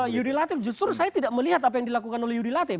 ya ketua yudi latif justru saya tidak melihat apa yang dilakukan oleh yudi latif